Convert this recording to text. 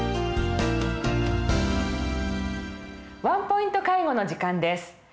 「ワンポイント介護」の時間です。